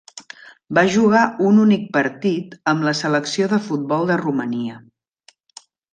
Va jugar un únic partit amb la selecció de futbol de Romania.